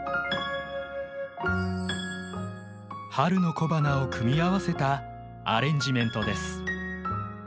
春の小花を組み合わせたアレンジメントです。